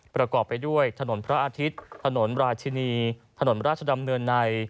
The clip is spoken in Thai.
ประกอบไปด้วยถนนพระอาทิตย์ถนนราชินีถนนราชดำเนินใน